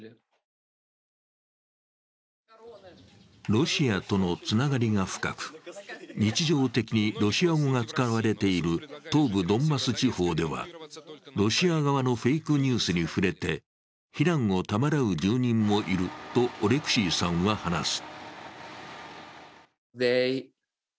ロシアとのつながりが深く、日常的にロシア語が使われている東部ドンバス地方ではロシア側のフェイクニュースに触れて避難をためらう住人もいるとオレクシーさんは話す。